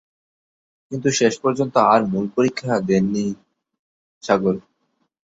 কিন্তু শেষ পর্যন্ত আর মূল পরীক্ষা দেননি।